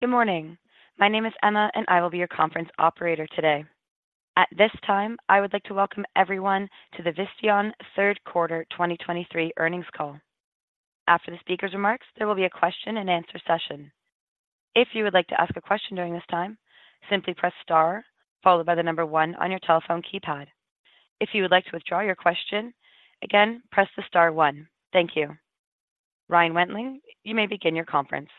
Good morning. My name is Emma, and I will be your conference operator today. At this time, I would like to welcome everyone to the Visteon Third Quarter 2023 earnings call. After the speaker's remarks, there will be a question-and-answer session. If you would like to ask a question during this time, simply press Star, followed by the number 1 on your telephone keypad. If you would like to withdraw your question, again, press the Star 1. Thank you. Ryan Wentling, you may begin your conference.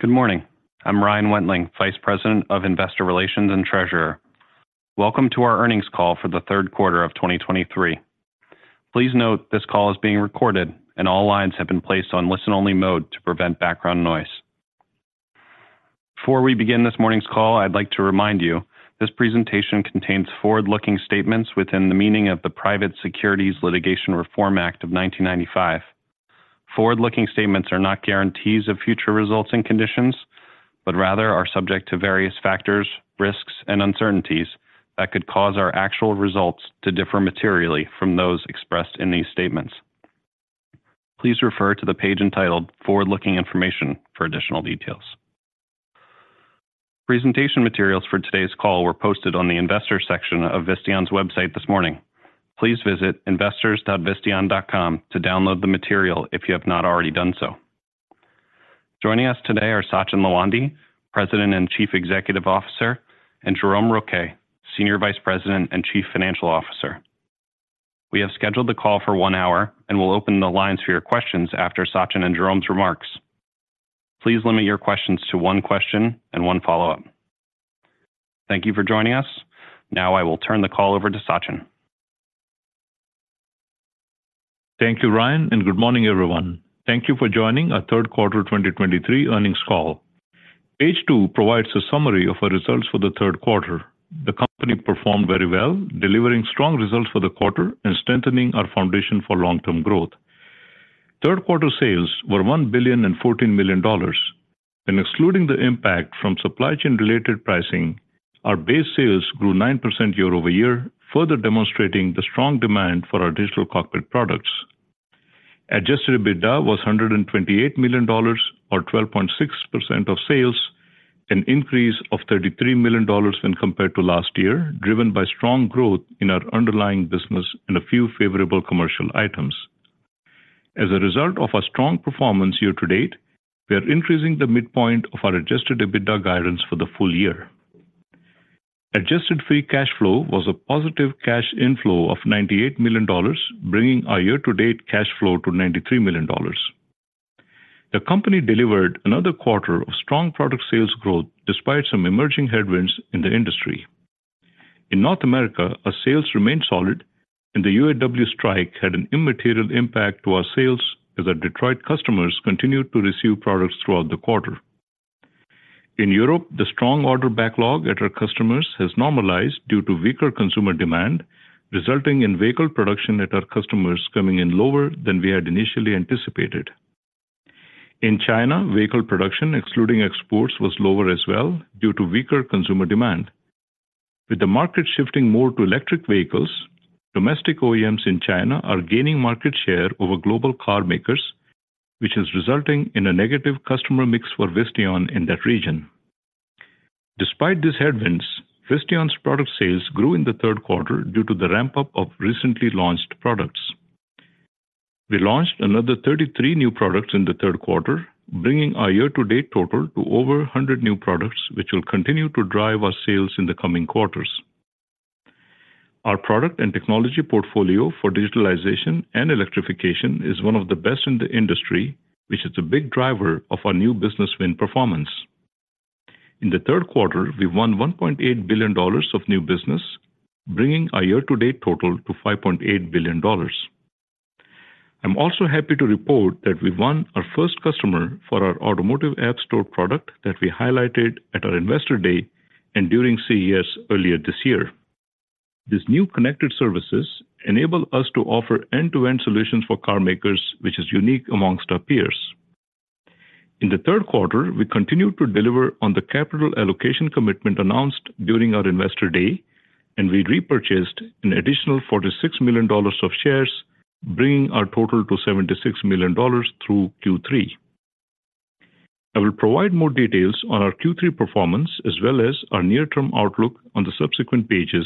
Good morning. I'm Ryan Wentling, Vice President of Investor Relations and Treasurer. Welcome to our Earnings Call for the Third Quarter of 2023. Please note, this call is being recorded, and all lines have been placed on listen-only mode to prevent background noise. Before we begin this morning's call, I'd like to remind you, this presentation contains forward-looking statements within the meaning of the Private Securities Litigation Reform Act of 1995. Forward-looking statements are not guarantees of future results and conditions, but rather are subject to various factors, risks, and uncertainties that could cause our actual results to differ materially from those expressed in these statements. Please refer to the page entitled Forward-Looking Information for additional details. Presentation materials for today's call were posted on the investor section of Visteon's website this morning. Please visit investors.visteon.com to download the material if you have not already done so. Joining us today are Sachin Lawande, President and Chief Executive Officer, and Jerome Rouquet, Senior Vice President and Chief Financial Officer. We have scheduled the call for one hour and will open the lines for your questions after Sachin and Jerome's remarks. Please limit your questions to one question and one follow-up. Thank you for joining us. Now I will turn the call over to Sachin. Thank you, Ryan, and good morning, everyone. Thank you for joining our third quarter 2023 earnings call. Page two provides a summary of our results for the third quarter. The company performed very well, delivering strong results for the quarter and strengthening our foundation for long-term growth. Third quarter sales were $1.014 billion, and excluding the impact from supply chain-related pricing, our base sales grew 9% year-over-year, further demonstrating the strong demand for our digital cockpit products. Adjusted EBITDA was $128 million or 12.6% of sales, an increase of $33 million when compared to last year, driven by strong growth in our underlying business and a few favorable commercial items. As a result of our strong performance year to date, we are increasing the midpoint of our adjusted EBITDA guidance for the full year. Adjusted Free Cash Flow was a positive cash inflow of $98 million, bringing our year-to-date cash flow to $93 million. The company delivered another quarter of strong product sales growth despite some emerging headwinds in the industry. In North America, our sales remained solid, and the UAW strike had an immaterial impact to our sales as our Detroit customers continued to receive products throughout the quarter. In Europe, the strong order backlog at our customers has normalized due to weaker consumer demand, resulting in vehicle production at our customers coming in lower than we had initially anticipated. In China, vehicle production, excluding exports, was lower as well due to weaker consumer demand. With the market shifting more to electric vehicles, domestic OEMs in China are gaining market share over global carmakers, which is resulting in a negative customer mix for Visteon in that region. Despite these headwinds, Visteon's product sales grew in the third quarter due to the ramp-up of recently launched products. We launched another 33 new products in the third quarter, bringing our year-to-date total to over 100 new products, which will continue to drive our sales in the coming quarters. Our product and technology portfolio for digitalization and electrification is one of the best in the industry, which is a big driver of our new business win performance. In the third quarter, we won $1.8 billion of new business, bringing our year-to-date total to $5.8 billion. I'm also happy to report that we won our first customer for our automotive app store product that we highlighted at our Investor Day and during CES earlier this year. This new connected services enable us to offer end-to-end solutions for carmakers, which is unique amongst our peers. In the third quarter, we continued to deliver on the capital allocation commitment announced during our Investor Day, and we repurchased an additional $46 million of shares, bringing our total to $76 million through Q3. I will provide more details on our Q3 performance, as well as our near-term outlook on the subsequent pages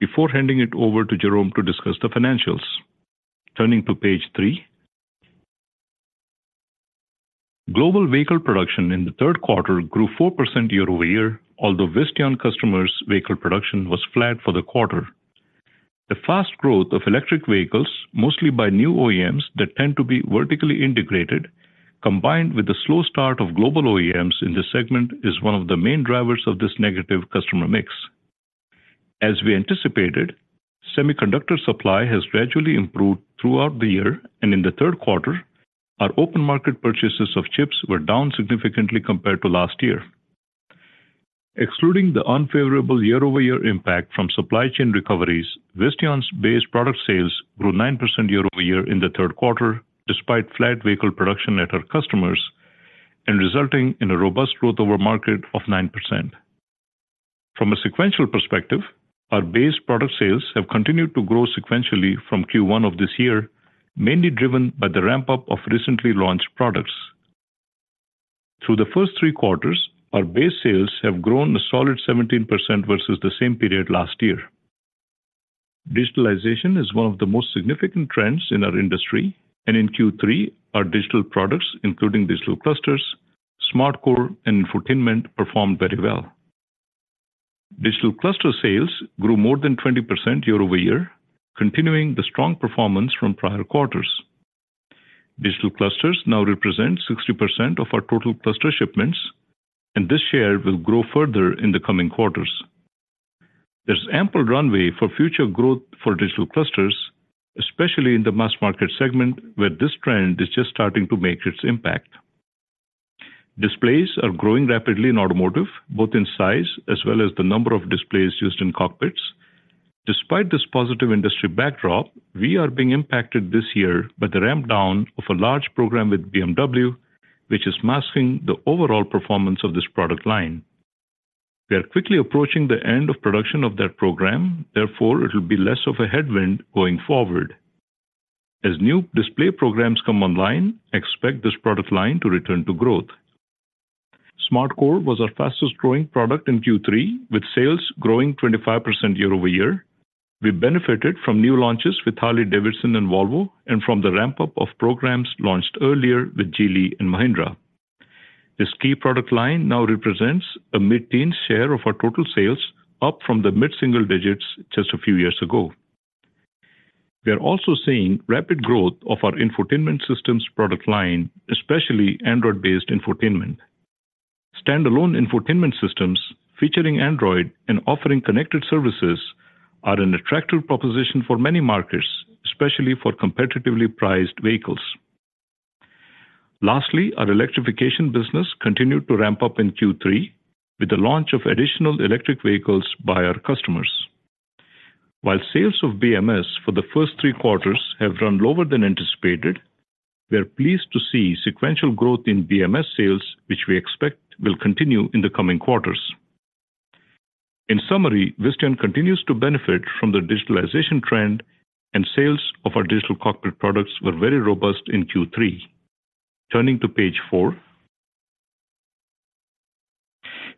before handing it over to Jerome to discuss the financials. Turning to page three, global vehicle production in the third quarter grew 4% year-over-year, although Visteon customers' vehicle production was flat for the quarter. The fast growth of electric vehicles, mostly by new OEMs that tend to be vertically integrated, combined with the slow start of global OEMs in this segment, is one of the main drivers of this negative customer mix. As we anticipated, semiconductor supply has gradually improved throughout the year, and in the third quarter, our open market purchases of chips were down significantly compared to last year. Excluding the unfavorable year-over-year impact from supply chain recoveries, Visteon's base product sales grew 9% year-over-year in the third quarter, despite flat vehicle production at our customers and resulting in a robust Growth Over Market of 9%. From a sequential perspective, our base product sales have continued to grow sequentially from Q1 of this year, mainly driven by the ramp-up of recently launched products. Through the first three quarters, our base sales have grown a solid 17% versus the same period last year. Digitalization is one of the most significant trends in our industry, and in Q3, our digital products, including digital clusters, SmartCore, and infotainment, performed very well. Digital Cluster sales grew more than 20% year-over-year, continuing the strong performance from prior quarters. digital clusters now represent 60% of our total cluster shipments, and this share will grow further in the coming quarters. There's ample runway for future growth for digital clusters, especially in the mass market segment, where this trend is just starting to make its impact. Displays are growing rapidly in automotive, both in size as well as the number of displays used in cockpits. Despite this positive industry backdrop, we are being impacted this year by the ramp down of a large program with BMW, which is masking the overall performance of this product line. We are quickly approaching the end of production of that program, therefore, it will be less of a headwind going forward. As new display programs come online, expect this product line to return to growth. SmartCore was our fastest-growing product in Q3, with sales growing 25% year-over-year. We benefited from new launches with Harley-Davidson and Volvo, and from the ramp-up of programs launched earlier with Geely and Mahindra. This key product line now represents a mid-teen share of our total sales, up from the mid-single digits just a few years ago. We are also seeing rapid growth of our infotainment systems product line, especially Android-based infotainment. Standalone infotainment systems featuring Android and offering connected services are an attractive proposition for many markets, especially for competitively priced vehicles. Lastly, our electrification business continued to ramp up in Q3 with the launch of additional electric vehicles by our customers. While sales of BMS for the first three quarters have run lower than anticipated, we are pleased to see sequential growth in BMS sales, which we expect will continue in the coming quarters. In summary, Visteon continues to benefit from the digitalization trend, and sales of our digital cockpit products were very robust in Q3. Turning to page four.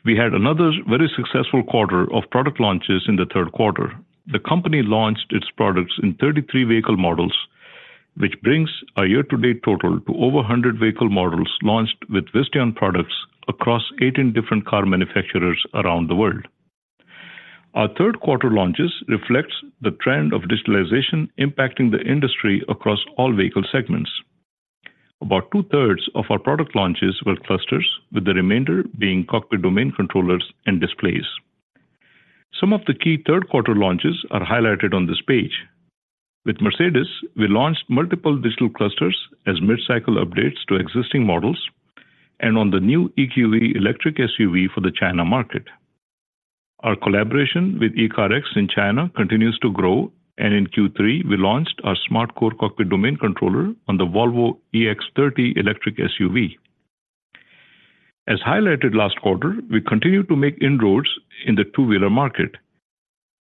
We had another very successful quarter of product launches in the third quarter. The company launched its products in 33 vehicle models, which brings our year-to-date total to over 100 vehicle models launched with Visteon products across 18 different car manufacturers around the world. Our third quarter launches reflects the trend of digitalization impacting the industry across all vehicle segments. About two-thirds of our product launches were clusters, with the remainder being cockpit domain controllers and displays. Some of the key third quarter launches are highlighted on this page. With Mercedes, we launched multiple digital clusters as mid-cycle updates to existing models, and on the new EQE electric SUV for the China market. Our collaboration with ECARX in China continues to grow, and in Q3, we launched our SmartCore cockpit domain controller on the Volvo EX30 electric SUV. As highlighted last quarter, we continue to make inroads in the two-wheeler market.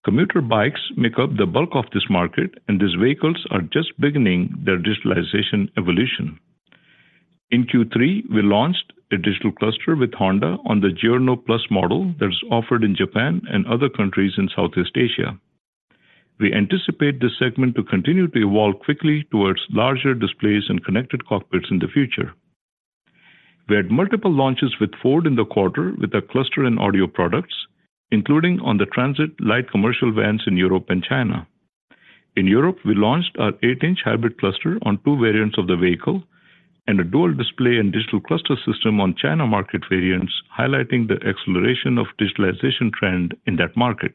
Commuter bikes make up the bulk of this market, and these vehicles are just beginning their digitalization evolution. In Q3, we launched a digital cluster with Honda on the Giorno+ model that is offered in Japan and other countries in Southeast Asia. We anticipate this segment to continue to evolve quickly towards larger displays and connected cockpits in the future. We had multiple launches with Ford in the quarter with our cluster and audio products, including on the Transit light commercial vans in Europe and China. In Europe, we launched our 8-inch hybrid cluster on two variants of the vehicle, and a dual display and digital cluster system on China market variants, highlighting the acceleration of digitalization trend in that market.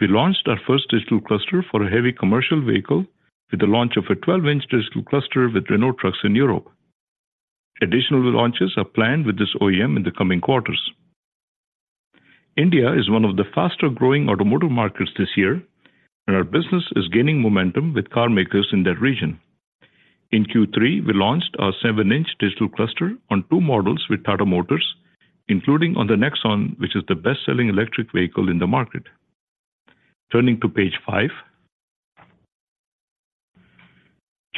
We launched our first digital cluster for a heavy commercial vehicle with the launch of a 12-inch digital cluster with Renault Trucks in Europe. Additional launches are planned with this OEM in the coming quarters. India is one of the faster-growing automotive markets this year, and our business is gaining momentum with car makers in that region. In Q3, we launched our 7-inch digital cluster on two models with Tata Motors, including on the Nexon, which is the best-selling electric vehicle in the market. Turning to page five.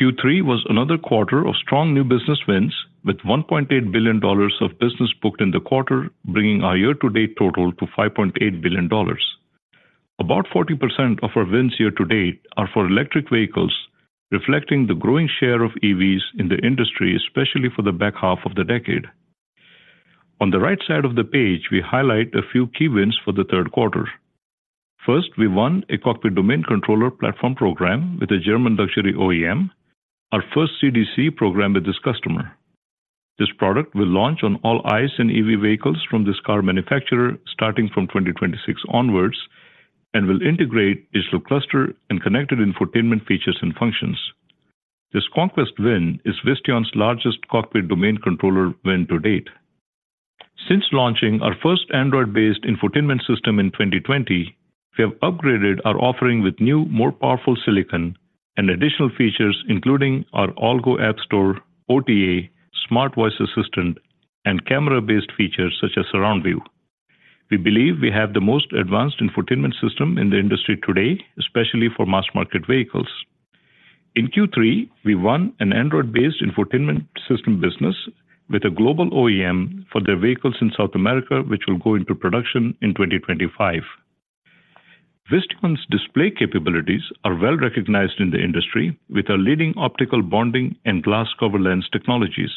Q3 was another quarter of strong new business wins, with $1.8 billion of business booked in the quarter, bringing our year-to-date total to $5.8 billion. About 40% of our wins year to date are for electric vehicles, reflecting the growing share of EVs in the industry, especially for the back half of the decade. On the right side of the page, we highlight a few key wins for the third quarter. First, we won a cockpit domain controller platform program with a German luxury OEM, our first CDC program with this customer. This product will launch on all ICE and EV vehicles from this car manufacturer, starting from 2026 onwards, and will integrate digital cluster and connected infotainment features and functions. This conquest win is Visteon's largest cockpit domain controller win to date. Since launching our first Android-based infotainment system in 2020, we have upgraded our offering with new, more powerful silicon... and additional features, including our AllGo App Store, OTA, Smart Voice Assistant, and camera-based features such as surround view. We believe we have the most advanced infotainment system in the industry today, especially for mass-market vehicles. In Q3, we won an Android-based infotainment system business with a global OEM for their vehicles in South America, which will go into production in 2025. Visteon's display capabilities are well-recognized in the industry with our leading optical bonding and glass cover lens technologies.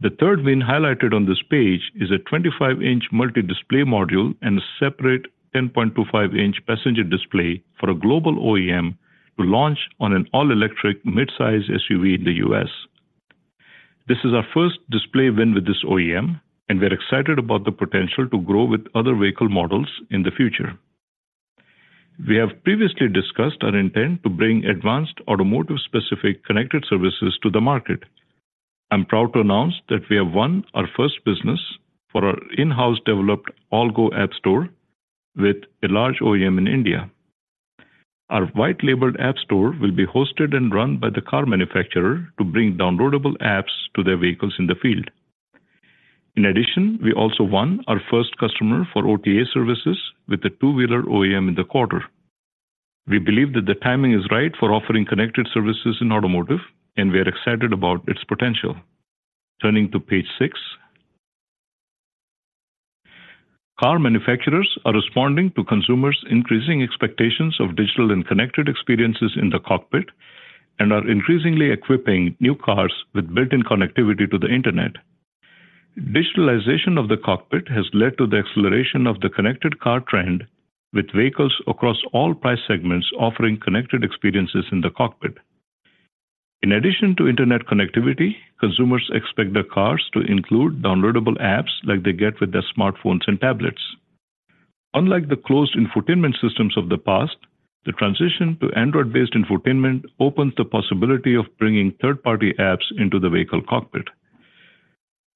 The third win highlighted on this page is a 25-inch multi-display module and a separate 10.25-inch passenger display for a global OEM to launch on an all-electric midsize SUV in the U.S. This is our first display win with this OEM, and we're excited about the potential to grow with other vehicle models in the future. We have previously discussed our intent to bring advanced automotive-specific connected services to the market. I'm proud to announce that we have won our first business for our in-house developed AllGo App Store with a large OEM in India. Our white-labeled app store will be hosted and run by the car manufacturer to bring downloadable apps to their vehicles in the field. In addition, we also won our first customer for OTA services with a two-wheeler OEM in the quarter. We believe that the timing is right for offering connected services in automotive, and we are excited about its potential. Turning to page six. Car manufacturers are responding to consumers' increasing expectations of digital and connected experiences in the cockpit and are increasingly equipping new cars with built-in connectivity to the internet. Digitalization of the cockpit has led to the acceleration of the connected car trend, with vehicles across all price segments offering connected experiences in the cockpit. In addition to internet connectivity, consumers expect their cars to include downloadable apps like they get with their smartphones and tablets. Unlike the closed infotainment systems of the past, the transition to Android-based infotainment opens the possibility of bringing third-party apps into the vehicle cockpit.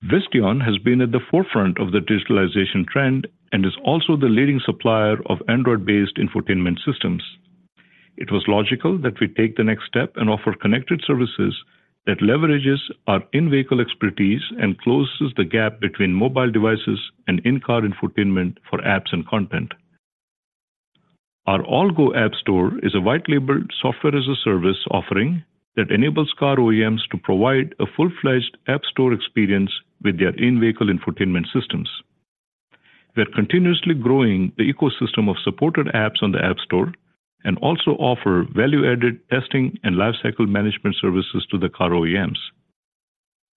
Visteon has been at the forefront of the digitalization trend and is also the leading supplier of Android-based infotainment systems. It was logical that we take the next step and offer connected services that leverages our in-vehicle expertise and closes the gap between mobile devices and in-car infotainment for apps and content. Our AllGo App Store is a white-labeled software as a service offering that enables car OEMs to provide a full-fledged app store experience with their in-vehicle infotainment systems. We're continuously growing the ecosystem of supported apps on the App Store and also offer value-added testing and lifecycle management services to the car OEMs.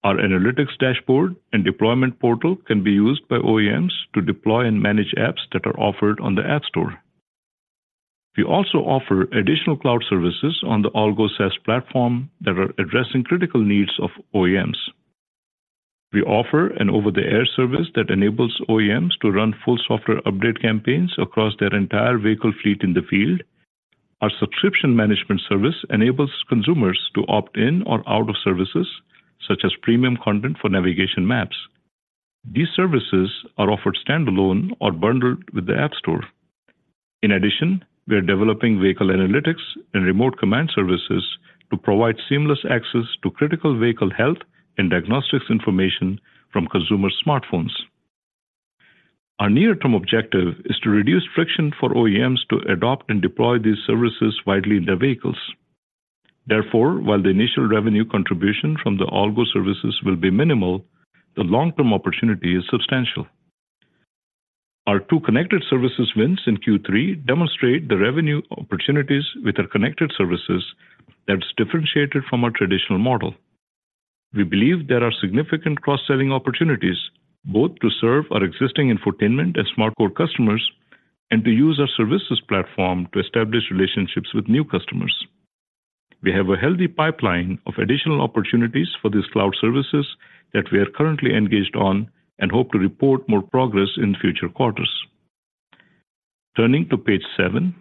Our analytics dashboard and deployment portal can be used by OEMs to deploy and manage apps that are offered on the App Store. We also offer additional cloud services on the AllGo SaaS platform that are addressing critical needs of OEMs. We offer an over-the-air service that enables OEMs to run full software update campaigns across their entire vehicle fleet in the field. Our subscription management service enables consumers to opt in or out of services such as premium content for navigation maps. These services are offered standalone or bundled with the App Store. In addition, we are developing vehicle analytics and remote command services to provide seamless access to critical vehicle health and diagnostics information from consumer smartphones. Our near-term objective is to reduce friction for OEMs to adopt and deploy these services widely in their vehicles. Therefore, while the initial revenue contribution from the AllGo services will be minimal, the long-term opportunity is substantial. Our 2 connected services wins in Q3 demonstrate the revenue opportunities with our connected services that's differentiated from our traditional model. We believe there are significant cross-selling opportunities, both to serve our existing infotainment and SmartCore customers, and to use our services platform to establish relationships with new customers. We have a healthy pipeline of additional opportunities for these cloud services that we are currently engaged on and hope to report more progress in future quarters. Turning to page seven.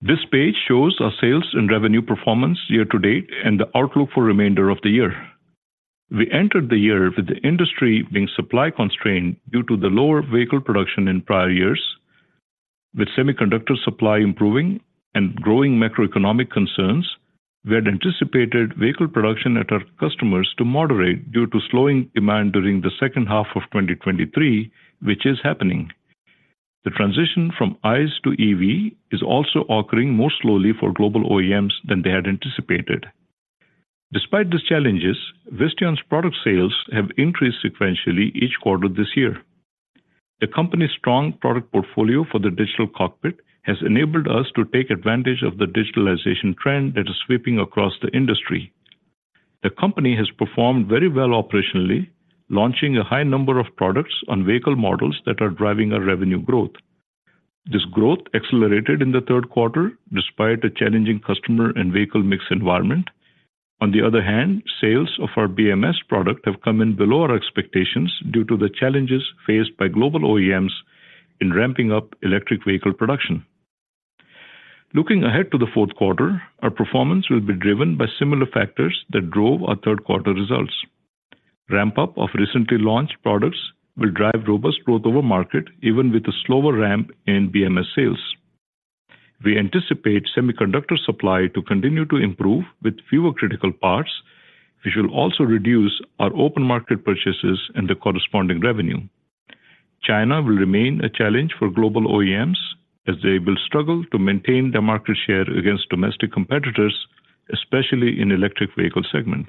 This page shows our sales and revenue performance year to date and the outlook for remainder of the year. We entered the year with the industry being supply constrained due to the lower vehicle production in prior years. With semiconductor supply improving and growing macroeconomic concerns, we had anticipated vehicle production at our customers to moderate due to slowing demand during the second half of 2023, which is happening. The transition from ICE to EV is also occurring more slowly for global OEMs than they had anticipated. Despite these challenges, Visteon's product sales have increased sequentially each quarter this year. The company's strong product portfolio for the digital cockpit has enabled us to take advantage of the digitalization trend that is sweeping across the industry. The company has performed very well operationally, launching a high number of products on vehicle models that are driving our revenue growth. This growth accelerated in the third quarter, despite a challenging customer and vehicle mix environment. On the other hand, sales of our BMS product have come in below our expectations due to the challenges faced by global OEMs in ramping up electric vehicle production. Looking ahead to the fourth quarter, our performance will be driven by similar factors that drove our third quarter results. Ramp-up of recently launched products will drive robust growth over market, even with a slower ramp in BMS sales. We anticipate semiconductor supply to continue to improve with fewer critical parts, which will also reduce our open market purchases and the corresponding revenue. China will remain a challenge for global OEMs as they will struggle to maintain their market share against domestic competitors, especially in electric vehicle segment.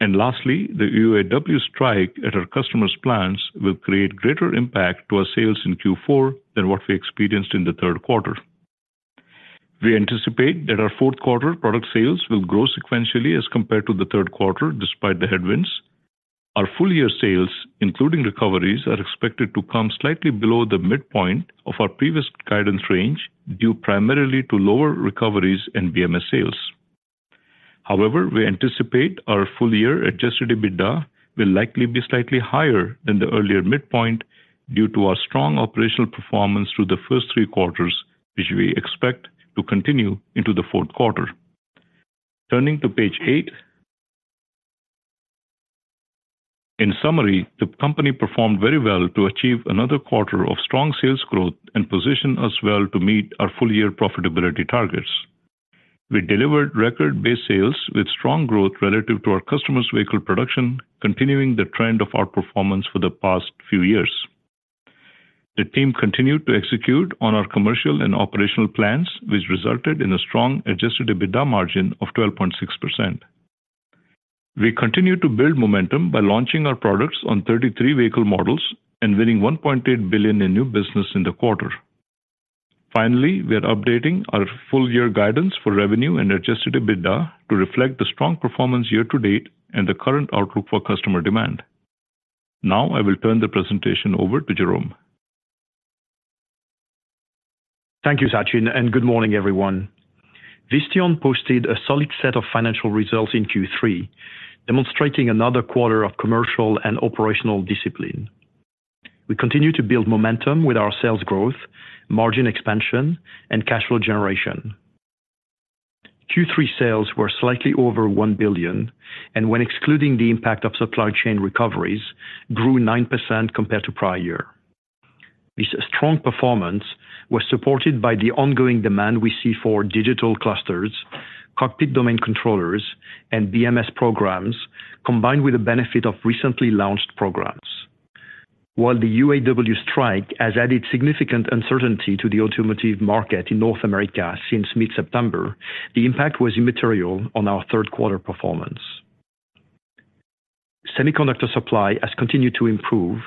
And lastly, the UAW strike at our customer's plants will create greater impact to our sales in Q4 than what we experienced in the third quarter. We anticipate that our fourth quarter product sales will grow sequentially as compared to the third quarter, despite the headwinds. Our full-year sales, including recoveries, are expected to come slightly below the midpoint of our previous guidance range, due primarily to lower recoveries in BMS sales. However, we anticipate our full-year Adjusted EBITDA will likely be slightly higher than the earlier midpoint due to our strong operational performance through the first three quarters, which we expect to continue into the fourth quarter. Turning to page 8. In summary, the company performed very well to achieve another quarter of strong sales growth and position us well to meet our full-year profitability targets. We delivered record base sales with strong growth relative to our customers' vehicle production, continuing the trend of outperformance for the past few years. The team continued to execute on our commercial and operational plans, which resulted in a strong Adjusted EBITDA margin of 12.6%. We continue to build momentum by launching our products on 33 vehicle models and winning $1.8 billion in new business in the quarter. Finally, we are updating our full-year guidance for revenue and Adjusted EBITDA to reflect the strong performance year to date and the current outlook for customer demand. Now, I will turn the presentation over to Jerome. Thank you, Sachin, and good morning, everyone. Visteon posted a solid set of financial results in Q3, demonstrating another quarter of commercial and operational discipline. We continue to build momentum with our sales growth, margin expansion, and cash flow generation. Q3 sales were slightly over $1 billion, and when excluding the impact of supply chain recoveries, grew 9% compared to prior year. This strong performance was supported by the ongoing demand we see for digital clusters, cockpit domain controllers, and BMS programs, combined with the benefit of recently launched programs. While the UAW strike has added significant uncertainty to the automotive market in North America since mid-September, the impact was immaterial on our third quarter performance. Semiconductor supply has continued to improve,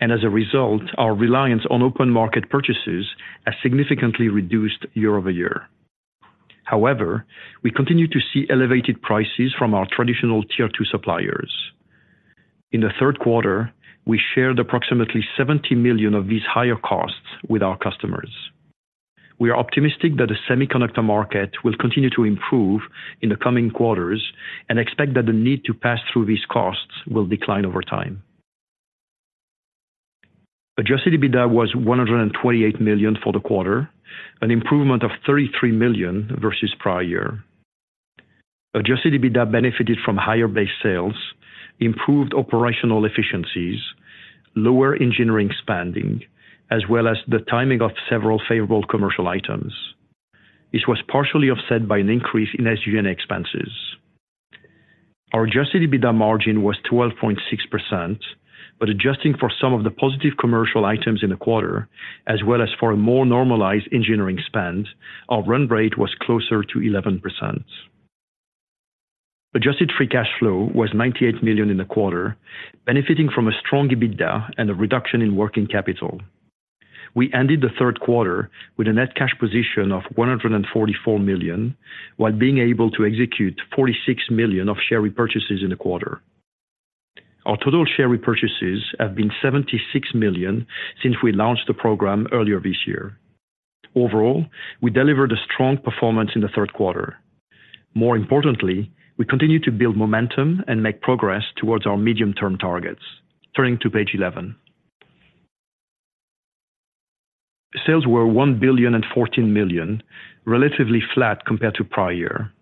and as a result, our reliance on open market purchases has significantly reduced year-over-year. However, we continue to see elevated prices from our traditional Tier 2 suppliers. In the third quarter, we shared approximately $70 million of these higher costs with our customers. We are optimistic that the semiconductor market will continue to improve in the coming quarters and expect that the need to pass through these costs will decline over time. Adjusted EBITDA was $128 million for the quarter, an improvement of $33 million versus prior year. Adjusted EBITDA benefited from higher base sales, improved operational efficiencies, lower engineering spending, as well as the timing of several favorable commercial items. This was partially offset by an increase in SG&A expenses. Our adjusted EBITDA margin was 12.6%, but adjusting for some of the positive commercial items in the quarter, as well as for a more normalized engineering spend, our run rate was closer to 11%. Adjusted free cash flow was $98 million in the quarter, benefiting from a strong EBITDA and a reduction in working capital. We ended the third quarter with a net cash position of $144 million, while being able to execute $46 million of share repurchases in the quarter. Our total share repurchases have been $76 million since we launched the program earlier this year. Overall, we delivered a strong performance in the third quarter. More importantly, we continue to build momentum and make progress towards our medium-term targets. Turning to page 11. Sales were $1,014 million, relatively flat compared to prior year.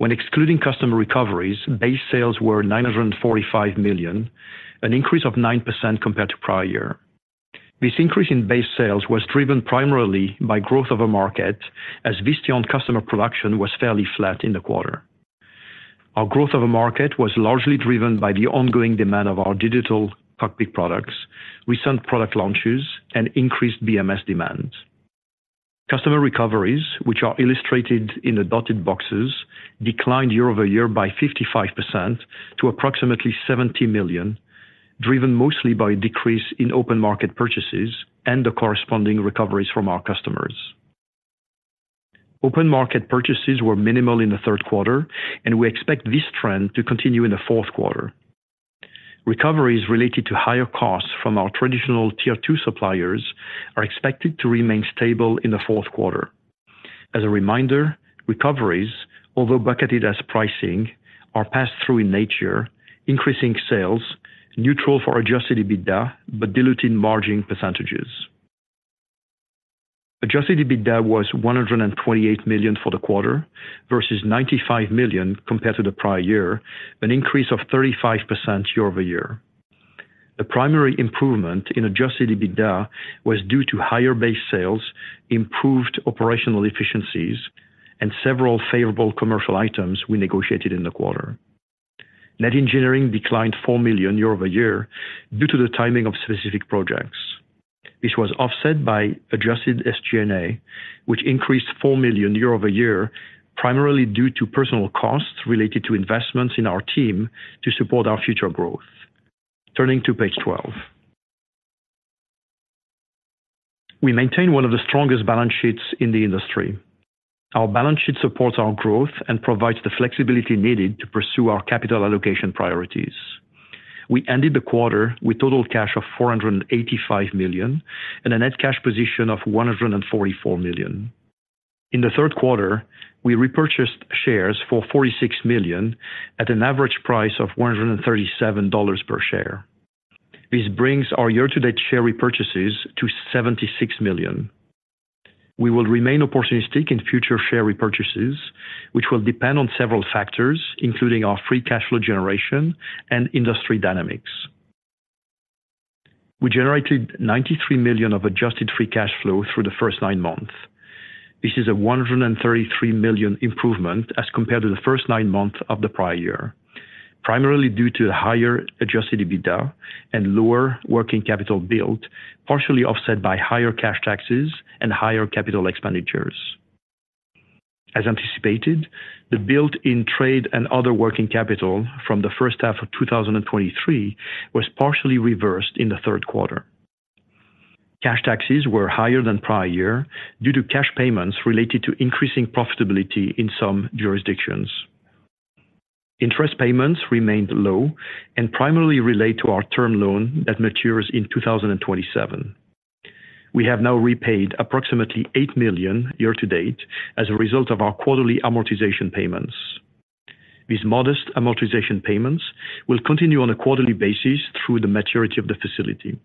When excluding customer recoveries, base sales were $945 million, an increase of 9% compared to prior year. This increase in base sales was driven primarily by growth over market, as Visteon customer production was fairly flat in the quarter. Our growth over market was largely driven by the ongoing demand of our digital cockpit products, recent product launches, and increased BMS demand. Customer recoveries, which are illustrated in the dotted boxes, declined year-over-year by 55% to approximately $70 million, driven mostly by a decrease in open market purchases and the corresponding recoveries from our customers. Open market purchases were minimal in the third quarter, and we expect this trend to continue in the fourth quarter. Recoveries related to higher costs from our traditional Tier 2 suppliers are expected to remain stable in the fourth quarter. As a reminder, recoveries, although bucketed as pricing, are passed through in nature, increasing sales, neutral for adjusted EBITDA, but diluting margin percentages. Adjusted EBITDA was $128 million for the quarter, versus $95 million compared to the prior year, an increase of 35% year-over-year. The primary improvement in adjusted EBITDA was due to higher base sales, improved operational efficiencies, and several favorable commercial items we negotiated in the quarter. Net engineering declined $4 million year-over-year due to the timing of specific projects, which was offset by adjusted SG&A, which increased $4 million year-over-year, primarily due to personnel costs related to investments in our team to support our future growth. Turning to page 12. We maintain one of the strongest balance sheets in the industry. Our balance sheet supports our growth and provides the flexibility needed to pursue our capital allocation priorities. We ended the quarter with total cash of $485 million and a net cash position of $144 million. In the third quarter, we repurchased shares for $46 million at an average price of $137 per share. This brings our year-to-date share repurchases to $76 million. We will remain opportunistic in future share repurchases, which will depend on several factors, including our free cash flow generation and industry dynamics. We generated $93 million of Adjusted Free Cash Flow through the first nine months. This is a $133 million improvement as compared to the first nine months of the prior year, primarily due to the higher Adjusted EBITDA and lower working capital build, partially offset by higher cash taxes and higher capital expenditures. As anticipated, the build in trade and other working capital from the first half of 2023 was partially reversed in the third quarter. Cash taxes were higher than prior year due to cash payments related to increasing profitability in some jurisdictions. Interest payments remained low and primarily relate to our term loan that matures in 2027. We have now repaid approximately $8 million year to date as a result of our quarterly amortization payments. These modest amortization payments will continue on a quarterly basis through the maturity of the facility.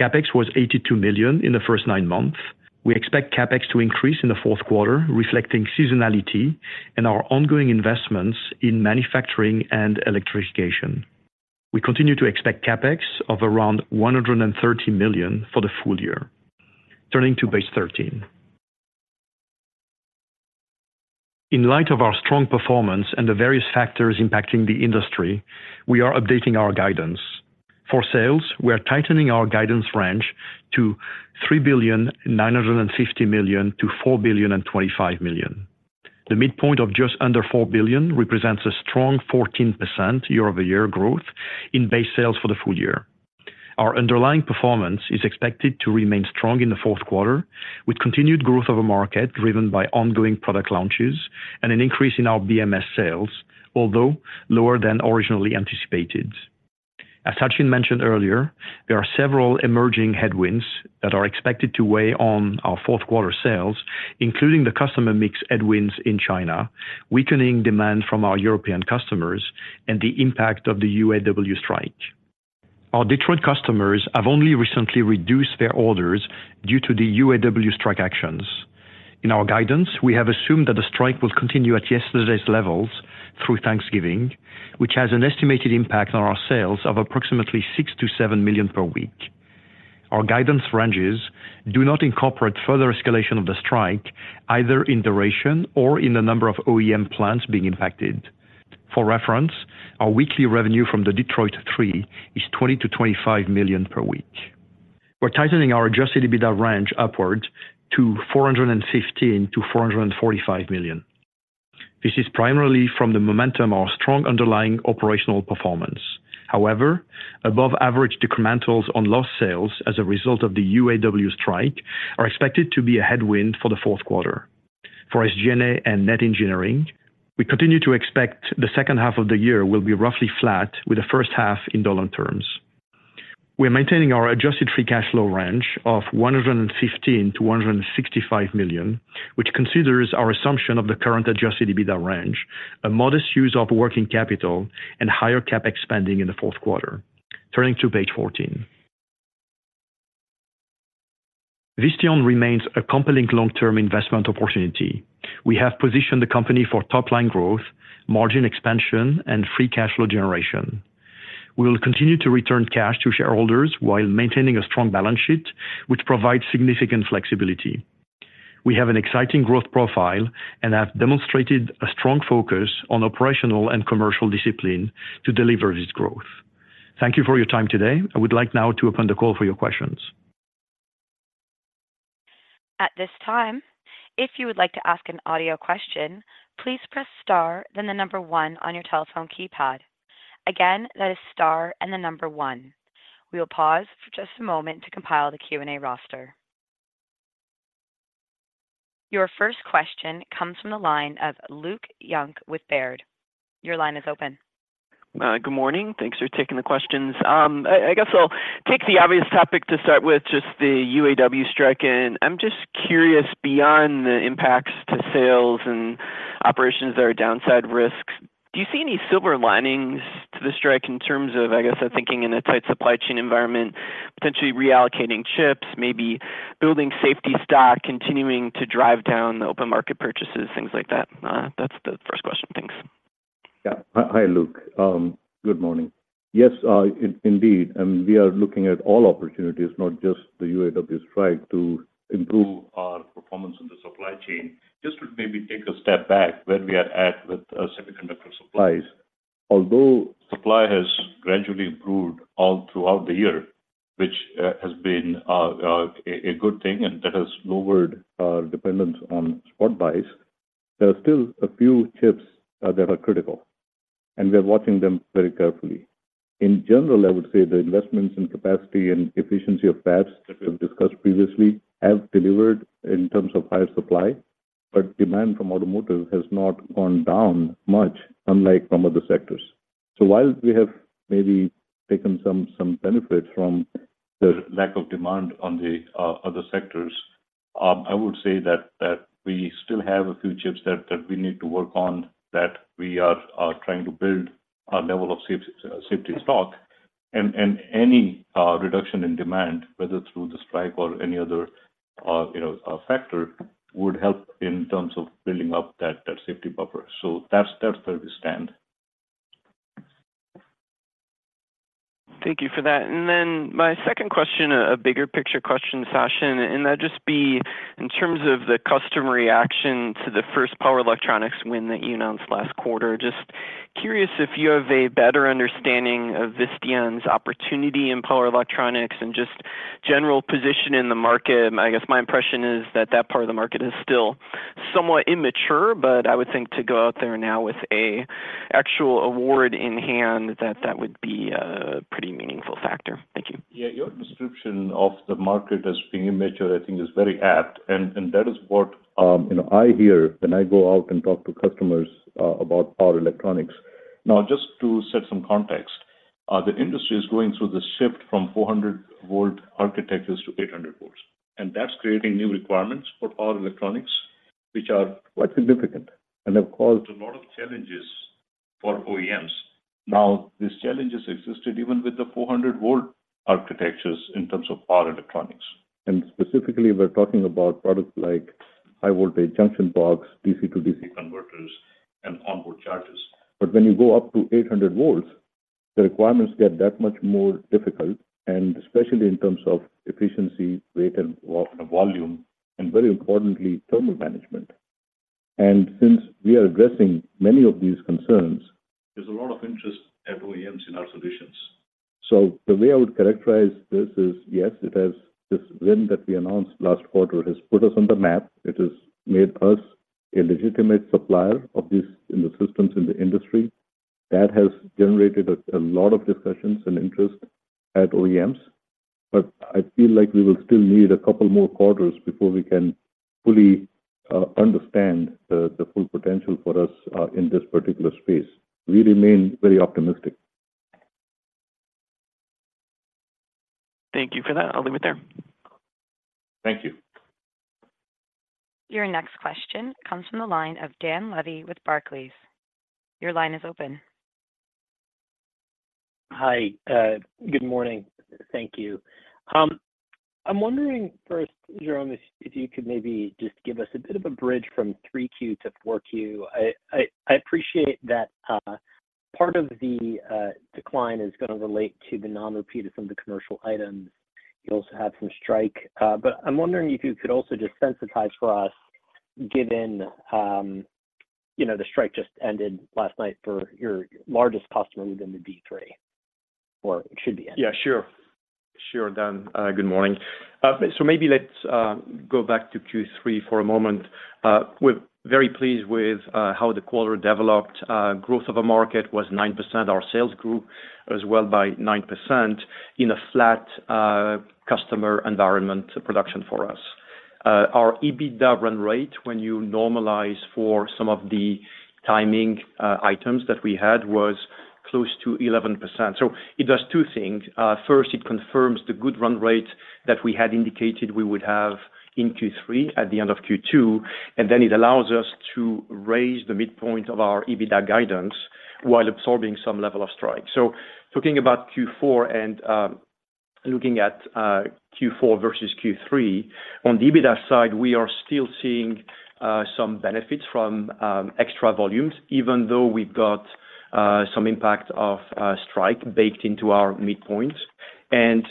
CapEx was $82 million in the first nine months. We expect CapEx to increase in the fourth quarter, reflecting seasonality and our ongoing investments in manufacturing and electrification. We continue to expect CapEx of around $130 million for the full year. Turning to page 13. In light of our strong performance and the various factors impacting the industry, we are updating our guidance. For sales, we are tightening our guidance range to $3.95 billion-$4.025 billion. The midpoint of just under $4 billion represents a strong 14% year-over-year growth in base sales for the full year. Our underlying performance is expected to remain strong in the fourth quarter, with continued growth over market driven by ongoing product launches and an increase in our BMS sales, although lower than originally anticipated. As Sachin mentioned earlier, there are several emerging headwinds that are expected to weigh on our fourth quarter sales, including the customer mix headwinds in China, weakening demand from our European customers, and the impact of the UAW strike. Our Detroit customers have only recently reduced their orders due to the UAW strike actions. In our guidance, we have assumed that the strike will continue at yesterday's levels through Thanksgiving, which has an estimated impact on our sales of approximately $6-$7 million per week. Our guidance ranges do not incorporate further escalation of the strike, either in duration or in the number of OEM plants being impacted. For reference, our weekly revenue from the Detroit Three is $20-$25 million per week. We're tightening our Adjusted EBITDA range upward to $415-$445 million. This is primarily from the momentum of our strong underlying operational performance. However, above average decrementals on lost sales as a result of the UAW strike are expected to be a headwind for the fourth quarter. For SG&A and net engineering, we continue to expect the second half of the year will be roughly flat, with the first half in dollar terms. We are maintaining our adjusted free cash flow range of $115 million-$165 million, which considers our assumption of the current adjusted EBITDA range, a modest use of working capital, and higher CapEx spending in the fourth quarter. Turning to page 14. Visteon remains a compelling long-term investment opportunity. We have positioned the company for top-line growth, margin expansion, and free cash flow generation. We will continue to return cash to shareholders while maintaining a strong balance sheet, which provides significant flexibility. We have an exciting growth profile and have demonstrated a strong focus on operational and commercial discipline to deliver this growth. Thank you for your time today. I would like now to open the call for your questions. At this time, if you would like to ask an audio question, please press star, then the number one on your telephone keypad. Again, that is star and the number one. We will pause for just a moment to compile the Q&A roster. Your first question comes from the line of Luke Junk with Baird. Your line is open. Good morning. Thanks for taking the questions. I guess I'll take the obvious topic to start with, just the UAW strike. I'm just curious, beyond the impacts to sales and operations that are downside risk, Do you see any silver linings to the strike in terms of, I guess, I'm thinking in a tight supply chain environment, potentially reallocating chips, maybe building safety stock, continuing to drive down the open market purchases, things like that? That's the first question. Thanks. Yeah. Hi, Luke. Good morning. Yes, indeed, and we are looking at all opportunities, not just the UAW strike, to improve our performance in the supply chain. Just to maybe take a step back where we are at with semiconductor supplies. Although supply has gradually improved all throughout the year, which has been a good thing, and that has lowered our dependence on spot buys, there are still a few chips that are critical, and we are watching them very carefully. In general, I would say the investments in capacity and efficiency of fabs that we have discussed previously have delivered in terms of higher supply, but demand from automotive has not gone down much, unlike some other sectors. So while we have maybe taken some benefit from the lack of demand on the other sectors, I would say that we still have a few chips that we need to work on, that we are trying to build a level of safety stock. And any reduction in demand, whether through the strike or any other you know factor, would help in terms of building up that safety buffer. So that's where we stand. Thank you for that. And then my second question, a bigger picture question, Sachin, and that just be in terms of the customer reaction to the first power electronics win that you announced last quarter. Just curious if you have a better understanding of Visteon's opportunity in power electronics and just general position in the market. I guess my impression is that that part of the market is still somewhat immature, but I would think to go out there now with an actual award in hand, that that would be a pretty meaningful factor. Thank you. Yeah, your description of the market as being immature, I think is very apt, and, and that is what, you know, I hear when I go out and talk to customers, about power electronics. Now, just to set some context, the industry is going through this shift from 400-volt architectures to 800 volts, and that's creating new requirements for power electronics, which are quite significant and have caused a lot of challenges for OEMs. Now, these challenges existed even with the 400-volt architectures in terms of power electronics, and specifically, we're talking about products like high voltage junction box, DC to DC converters, and onboard chargers. But when you go up to 800-volts, the requirements get that much more difficult, and especially in terms of efficiency, weight, and, volume, and very importantly, thermal management. Since we are addressing many of these concerns, there's a lot of interest at OEMs in our solutions. So the way I would characterize this is, yes, it has this win that we announced last quarter has put us on the map. It has made us a legitimate supplier of these in the systems in the industry. That has generated a lot of discussions and interest at OEMs, but I feel like we will still need a couple more quarters before we can fully understand the full potential for us in this particular space. We remain very optimistic. Thank you for that. I'll leave it there. Thank you. Your next question comes from the line of Dan Levy with Barclays. Your line is open. Hi. Good morning. Thank you. I'm wondering first, Jerome, if you could maybe just give us a bit of a bridge from three Q to four Q. I appreciate that part of the decline is going to relate to the non-repeat of some of the commercial items. You also had some strike, but I'm wondering if you could also just sensitize for us, given you know, the strike just ended last night for your largest customer within the V3, or it should be ending. Yeah, sure. Sure, Dan. Good morning. So maybe let's go back to Q3 for a moment. We're very pleased with how the quarter developed. Growth of a market was 9%. Our sales grew as well by 9% in a flat customer environment production for us. Our EBITDA run rate, when you normalize for some of the timing items that we had, was close to 11%. So it does two things. First, it confirms the good run rate that we had indicated we would have in Q3 at the end of Q2, and then it allows us to raise the midpoint of our EBITDA guidance while absorbing some level of strike. So talking about Q4 and looking at Q4 versus Q3, on the EBITDA side, we are still seeing some benefits from extra volumes, even though we've got some impact of strike baked into our midpoints. And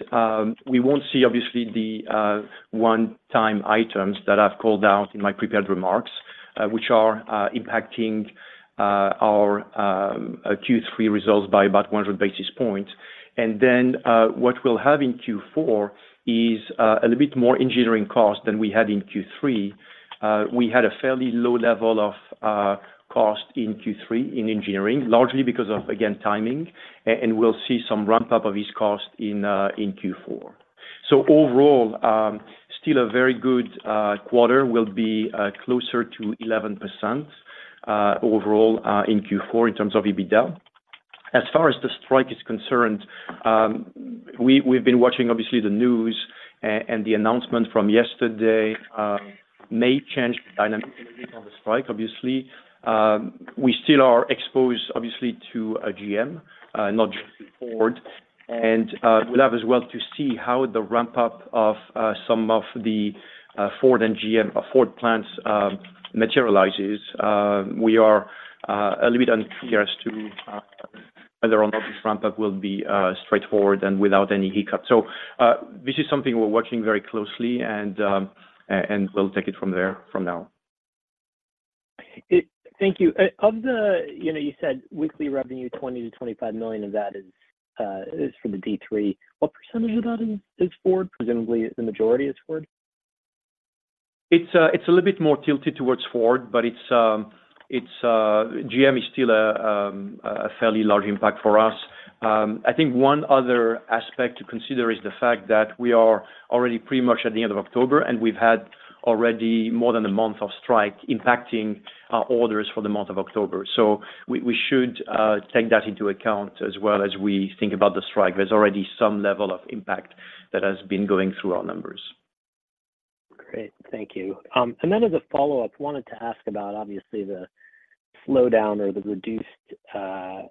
we won't see obviously the one-time items that I've called out in my prepared remarks, which are impacting our Q3 results by about 100 basis points. And then what we'll have in Q4 is a little bit more engineering cost than we had in Q3. We had a fairly low level of cost in Q3 in engineering, largely because of, again, timing, and we'll see some ramp-up of this cost in Q4. So overall, still a very good quarter. We'll be closer to 11% overall in Q4 in terms of EBITDA. As far as the strike is concerned, we, we've been watching obviously the news, and the announcement from yesterday may change the dynamics of the strike, obviously. We still are exposed, obviously, to GM, not just Ford. And we'd love as well to see how the ramp-up of some of the Ford and GM Ford plants materializes. We are a little bit unclear as to whether or not this ramp-up will be straightforward and without any hiccup. So, this is something we're watching very closely, and we'll take it from there from now. Thank you. Of the, you know, you said weekly revenue, $20 million-$25 million of that is for the D3. What percentage of that is Ford? Presumably, the majority is Ford. It's a little bit more tilted towards Ford, but GM is still a fairly large impact for us. I think one other aspect to consider is the fact that we are already pretty much at the end of October, and we've had already more than a month of strike impacting our orders for the month of October. So we should take that into account as well as we think about the strike. There's already some level of impact that has been going through our numbers. Great, thank you. And then as a follow-up, wanted to ask about, obviously, the slowdown or the reduced,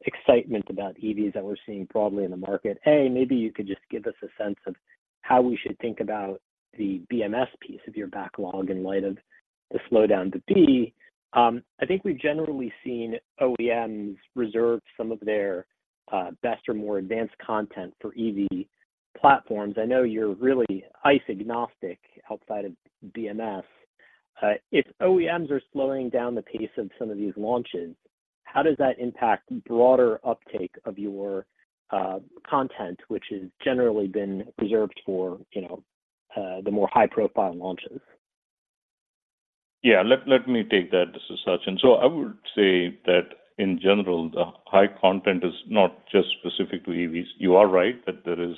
excitement about EVs that we're seeing broadly in the market. A, maybe you could just give us a sense of how we should think about the BMS piece of your backlog in light of the slowdown. But, B, I think we've generally seen OEMs reserve some of their, best or more advanced content for EV platforms. I know you're really ICE agnostic outside of BMS. If OEMs are slowing down the pace of some of these launches, how does that impact broader uptake of your, content, which has generally been reserved for, you know, the more high-profile launches? Yeah, let me take that. This is Sachin. So I would say that in general, the high content is not just specific to EVs. You are right, that there is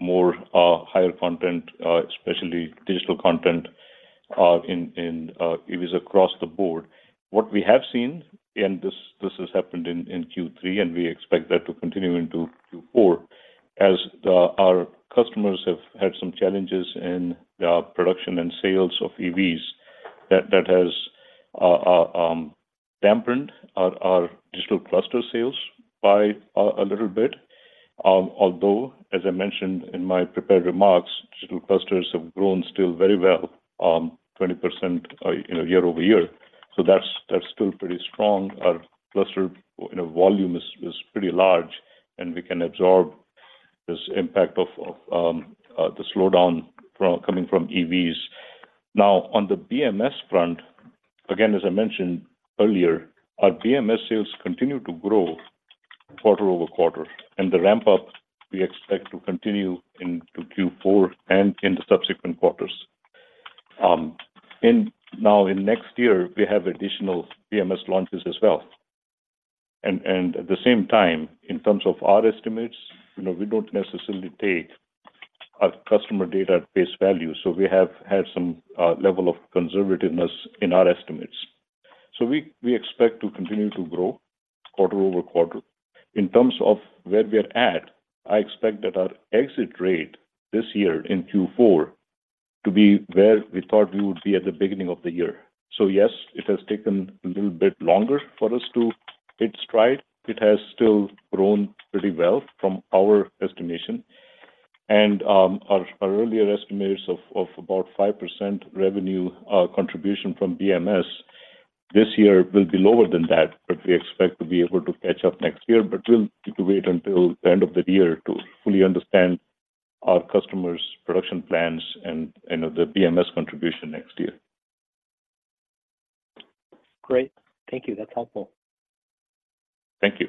more, higher content, especially digital content, in EVs across the board. What we have seen, and this has happened in Q3, and we expect that to continue into Q4, as our customers have had some challenges in the production and sales of EVs, that has dampened our digital cluster sales by a little bit. Although, as I mentioned in my prepared remarks, digital clusters have grown still very well, 20%, you know, year-over-year. So that's still pretty strong. Our cluster, you know, volume is, is pretty large, and we can absorb this impact of the slowdown coming from EVs. Now, on the BMS front, again, as I mentioned earlier, our BMS sales continue to grow quarter-over-quarter, and the ramp-up, we expect to continue into Q4 and in the subsequent quarters. In next year, we have additional BMS launches as well. And at the same time, in terms of our estimates, you know, we don't necessarily take our customer data at face value, so we have had some level of conservativeness in our estimates. So we expect to continue to grow quarter-over-quarter. In terms of where we are at, I expect that our exit rate this year in Q4 to be where we thought we would be at the beginning of the year. Yes, it has taken a little bit longer for us to hit stride. It has still grown pretty well from our estimation. And our earlier estimates of about 5% revenue contribution from BMS this year will be lower than that, but we expect to be able to catch up next year. But we'll need to wait until the end of the year to fully understand our customers' production plans and the BMS contribution next year. Great. Thank you. That's helpful. Thank you.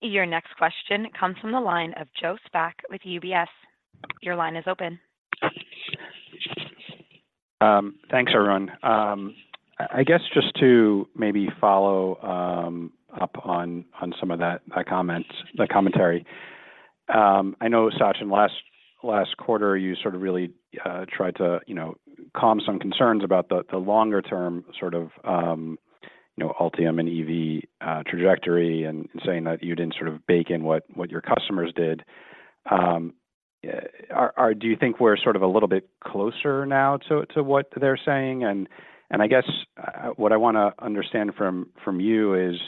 Your next question comes from the line of Joe Spak with UBS. Your line is open. Thanks, Arun. I guess just to maybe follow up on some of that comment, that commentary. I know, Sachin, last quarter, you sort of really tried to, you know, calm some concerns about the longer-term sort of, you know, autonomous and EV trajectory, and saying that you didn't sort of bake in what your customers did. Do you think we're sort of a little bit closer now to what they're saying? And I guess what I wanna understand from you is,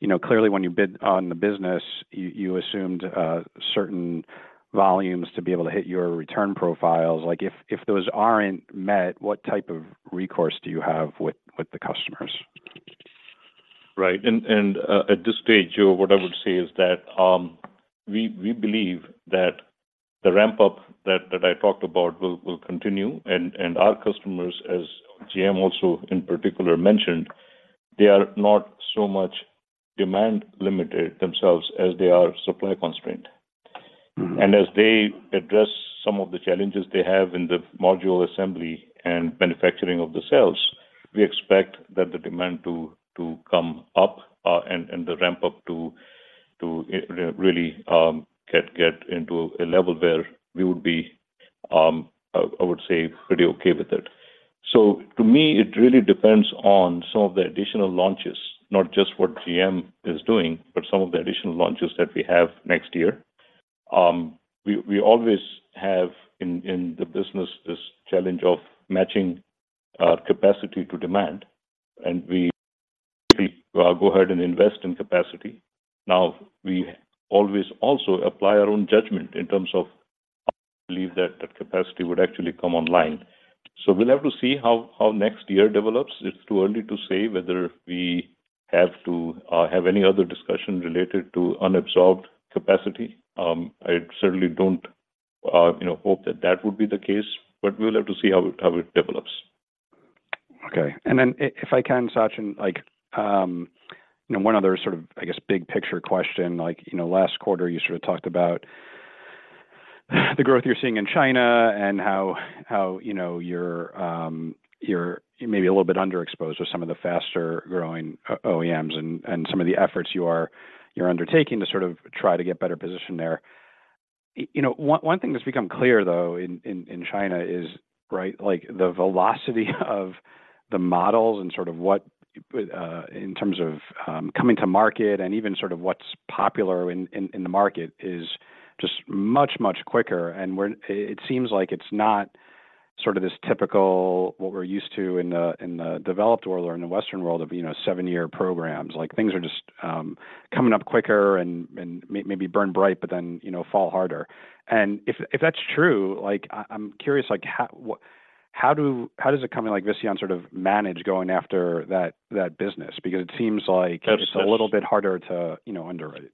you know, clearly, when you bid on the business, you assumed certain volumes to be able to hit your return profiles. Like, if those aren't met, what type of recourse do you have with the customers? Right. And at this stage, Joe, what I would say is that we believe that the ramp-up that I talked about will continue, and our customers, as GM also in particular mentioned, they are not so much demand-limited themselves as they are supply-constrained. Mm-hmm. As they address some of the challenges they have in the module assembly and manufacturing of the cells, we expect that the demand to come up, and the ramp-up to really get into a level where we would be, I would say, pretty okay with it. To me, it really depends on some of the additional launches, not just what GM is doing, but some of the additional launches that we have next year. We always have in the business this challenge of matching capacity to demand, and we go ahead and invest in capacity. Now, we always also apply our own judgment in terms of belief that the capacity would actually come online. We'll have to see how next year develops. It's too early to say whether we have to have any other discussion related to unabsorbed capacity. I certainly don't, you know, hope that that would be the case, but we'll have to see how it, how it develops. Okay. And then if I can, Sachin, like, you know, one other sort of, I guess, big picture question, like, you know, last quarter, you sort of talked about the growth you're seeing in China and how, you know, you're maybe a little bit underexposed with some of the faster-growing OEMs and some of the efforts you're undertaking to sort of try to get better positioned there. You know, one thing that's become clear, though, in China is, right, like, the velocity of the models and sort of what in terms of coming to market and even sort of what's popular in the market is just much, much quicker. And it seems like it's not sort of this typical, what we're used to in the developed world or in the Western world of, you know, seven-year programs. Like, things are just coming up quicker and maybe burn bright, but then, you know, fall harder. And if that's true, like, I'm curious, like, how does a company like Visteon sort of manage going after that business? Because it seems like- That's, that's- It's a little bit harder to, you know, underwrite.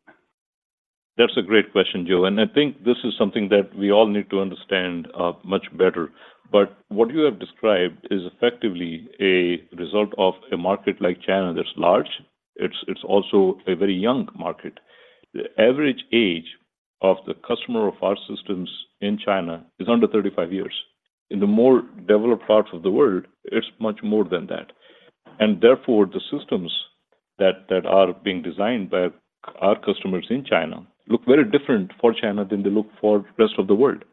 That's a great question, Joe, and I think this is something that we all need to understand much better. But what you have described is effectively a result of a market like China that's large. It's also a very young market. The average age of the customer of our systems in China is under 35 years. In the more developed parts of the world, it's much more than that. And therefore, the systems that are being designed by our customers in China look very different for China than they look for the rest of the world.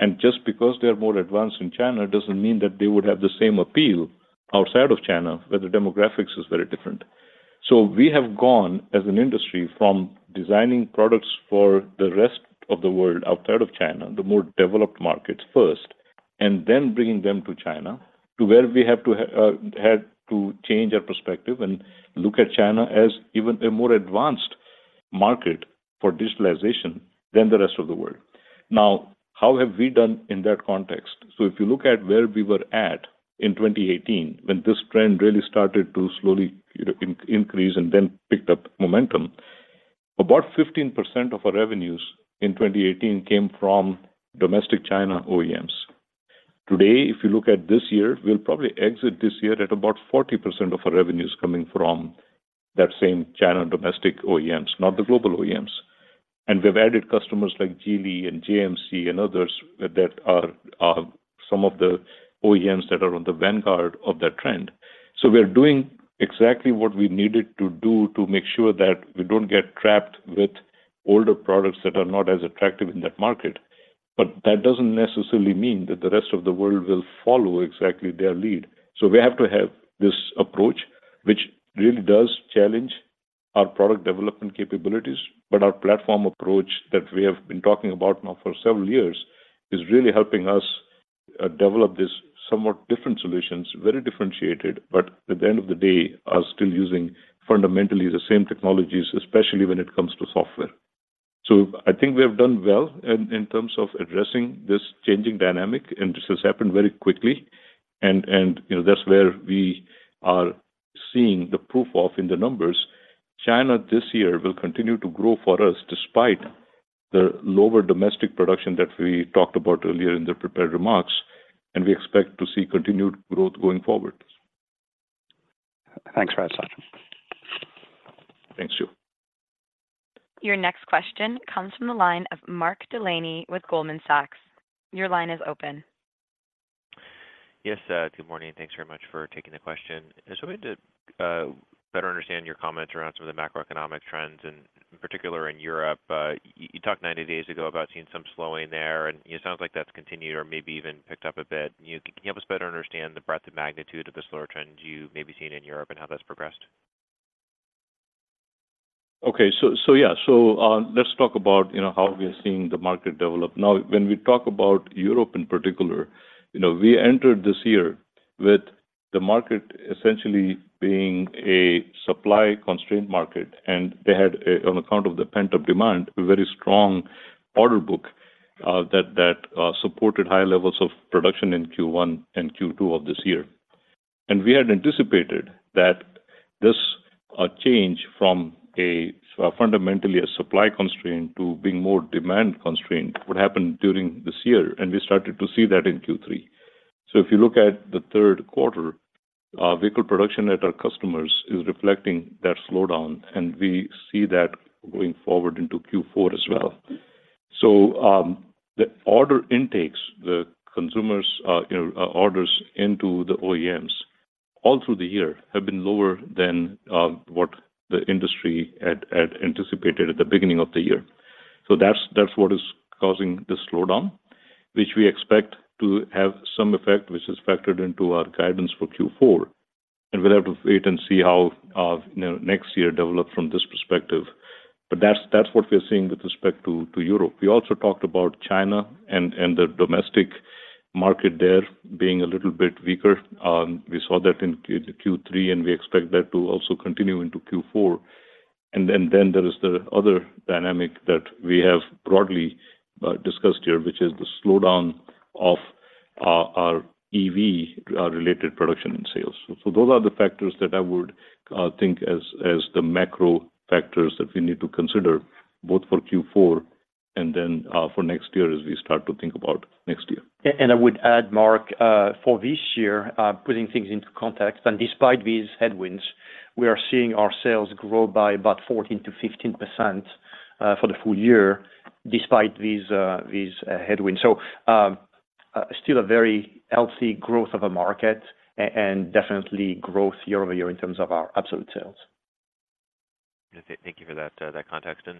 And just because they're more advanced in China, doesn't mean that they would have the same appeal outside of China, where the demographics is very different. So we have gone, as an industry, from designing products for the rest of the world outside of China, the more developed markets first, and then bringing them to China, to where we had to change our perspective and look at China as even a more advanced market for digitalization than the rest of the world. Now, how have we done in that context? So if you look at where we were at in 2018, when this trend really started to slowly, you know, increase and then picked up momentum, about 15% of our revenues in 2018 came from domestic China OEMs. Today, if you look at this year, we'll probably exit this year at about 40% of our revenues coming from that same China domestic OEMs, not the global OEMs. We've added customers like Geely and JMC and others that are, some of the OEMs that are on the vanguard of that trend. So we are doing exactly what we needed to do to make sure that we don't get trapped with older products that are not as attractive in that market. But that doesn't necessarily mean that the rest of the world will follow exactly their lead. So we have to have this approach, which really does challenge our product development capabilities, but our platform approach that we have been talking about now for several years, is really helping us, develop this somewhat different solutions, very differentiated, but at the end of the day, are still using fundamentally the same technologies, especially when it comes to software. So I think we have done well in terms of addressing this changing dynamic, and this has happened very quickly and, you know, that's where we are seeing the proof of in the numbers. China, this year, will continue to grow for us, despite the lower domestic production that we talked about earlier in the prepared remarks, and we expect to see continued growth going forward. Thanks for that, Sachin. Thanks, Joe. Your next question comes from the line of Mark Delaney with Goldman Sachs. Your line is open. Yes, good morning. Thanks very much for taking the question. I just wanted to better understand your comments around some of the macroeconomic trends, and in particular in Europe. You talked 90 days ago about seeing some slowing there, and, you know, it sounds like that's continued or maybe even picked up a bit. Can you help us better understand the breadth and magnitude of the slower trends you may be seeing in Europe and how that's progressed? Okay, so yeah. So, let's talk about, you know, how we are seeing the market develop. Now, when we talk about Europe in particular, you know, we entered this year with the market essentially being a supply-constrained market, and they had a, on account of the pent-up demand, a very strong order book, that supported high levels of production in Q1 and Q2 of this year. And we had anticipated that this change from a fundamentally a supply constraint to being more demand constraint would happen during this year, and we started to see that in Q3. So if you look at the third quarter, vehicle production at our customers is reflecting that slowdown, and we see that going forward into Q4 as well. So, the order intakes, the consumers, you know, orders into the OEMs... All through the year have been lower than what the industry had anticipated at the beginning of the year. So that's what is causing this slowdown, which we expect to have some effect, which is factored into our guidance for Q4, and we'll have to wait and see how, you know, next year develop from this perspective. But that's what we're seeing with respect to Europe. We also talked about China and the domestic market there being a little bit weaker. We saw that in Q3, and we expect that to also continue into Q4. And then there is the other dynamic that we have broadly discussed here, which is the slowdown of our EV related production and sales. Those are the factors that I would think as, as the macro factors that we need to consider, both for Q4 and then for next year as we start to think about next year. And I would add, Mark, for this year, putting things into context, and despite these headwinds, we are seeing our sales grow by about 14% to 15%, for the full year, despite these, these headwinds. So, still a very healthy growth of a market and definitely growth year-over-year in terms of our absolute sales. Thank you for that, that context. And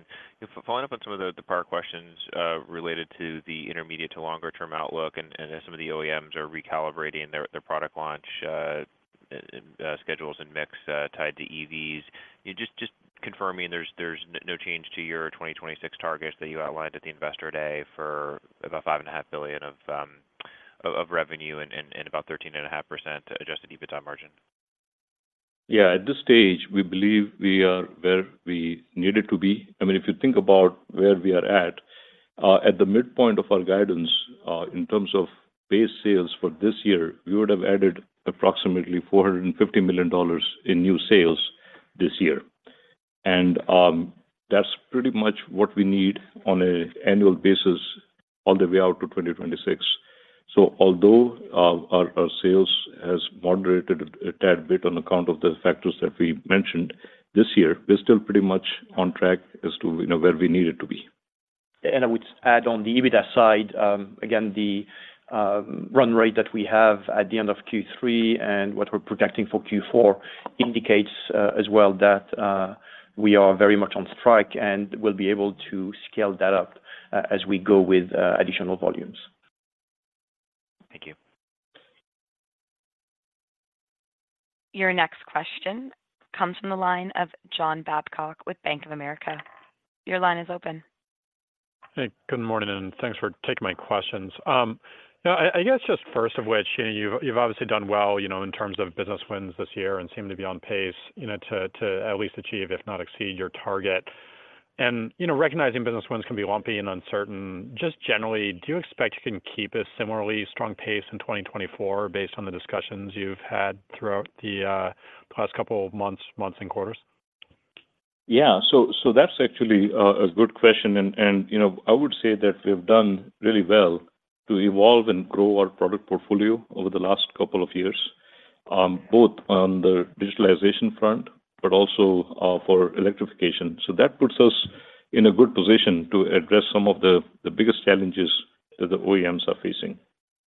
following up on some of the power questions, related to the intermediate to longer term outlook and, and some of the OEMs are recalibrating their, their product launch, schedules and mix, tied to EVs. Just, just confirming, there's, there's no change to your 2026 targets that you outlined at the Investor Day for about $5.5 billion of revenue and, and about 13.5% adjusted EBITDA margin? Yeah, at this stage, we believe we are where we needed to be. I mean, if you think about where we are at, at the midpoint of our guidance, in terms of base sales for this year, we would have added approximately $450 million in new sales this year. That's pretty much what we need on a annual basis all the way out to 2026. So although, our sales has moderated a tad bit on account of the factors that we mentioned this year, we're still pretty much on track as to, you know, where we need it to be. I would add on the EBITDA side, again, the run rate that we have at the end of Q3 and what we're projecting for Q4 indicates, as well, that we are very much on track and will be able to scale that up as we go with additional volumes. Thank you. Your next question comes from the line of John Babcock with Bank of America. Your line is open. Hey, good morning, and thanks for taking my questions. Now, I guess just first of which, you've obviously done well, you know, in terms of business wins this year and seem to be on pace, you know, to at least achieve, if not exceed, your target. You know, recognizing business wins can be lumpy and uncertain, just generally, do you expect you can keep a similarly strong pace in 2024 based on the discussions you've had throughout the past couple of months and quarters? Yeah. So that's actually a good question. And you know, I would say that we've done really well to evolve and grow our product portfolio over the last couple of years, both on the digitalization front, but also for electrification. So that puts us in a good position to address some of the biggest challenges that the OEMs are facing.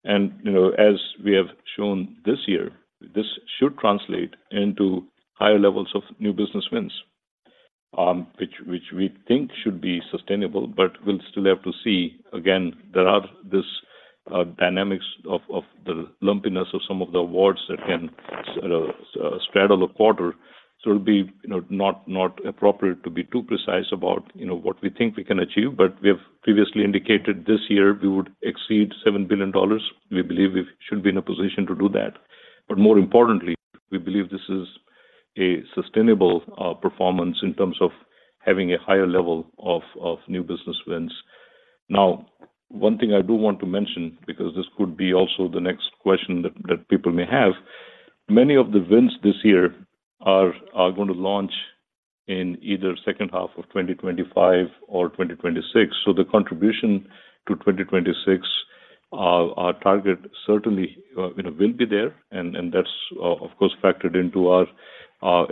And you know, as we have shown this year, this should translate into higher levels of new business wins, which we think should be sustainable, but we'll still have to see. Again, there are these dynamics of the lumpiness of some of the awards that can straddle the quarter. So it'll be you know, not appropriate to be too precise about you know, what we think we can achieve. But we have previously indicated this year we would exceed $7 billion. We believe we should be in a position to do that. But more importantly, we believe this is a sustainable performance in terms of having a higher level of new business wins. Now, one thing I do want to mention, because this could be also the next question that people may have, many of the wins this year are going to launch in either second half of 2025 or 2026. So the contribution to 2026, our target certainly, you know, will be there, and that's, of course, factored into our